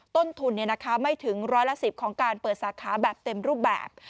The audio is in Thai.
ต้นทุนไม่ถึงร้อยละ๑๐ของการเปิดสาขาแบบเต็มรูปแบบ